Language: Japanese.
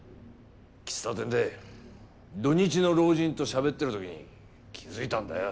喫茶店で土日の老人としゃべってる時に気づいたんだよ。